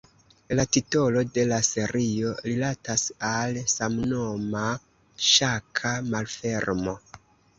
La titolo de la serio rilatas al samnoma ŝaka malfermo.